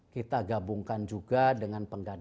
kita gabungkan juga dengan pengganti